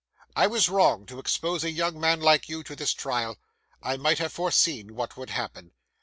I was wrong to expose a young man like you to this trial. I might have foreseen what would happen.